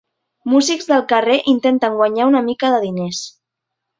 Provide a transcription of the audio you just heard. Músics del carrer intenten guanyar una mica de diners.